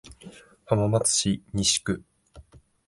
浜松市西区